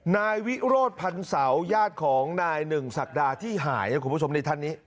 นายวิโรธพันเสาญาติของนายหนึ่งศักดาที่หายนะคุณผู้ชมในท่านนี้